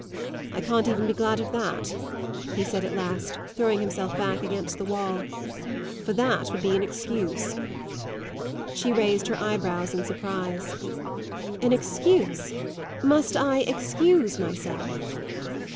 "I can't even be glad of that," he said at last, throwing himself back against the wall; "for that would be an excuse." She raised her eyebrows in surprise. "An excuse? Must I excuse myself?"